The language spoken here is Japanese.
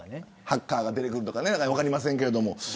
ハッカーが出てくるとか分かりませんけど。